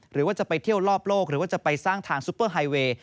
หรือว่าจะไปเที่ยวรอบโลกหรือว่าจะไปสร้างทางซุปเปอร์ไฮเวย์